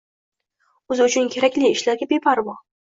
o‘zi uchun kerakli ishlarga beparvo.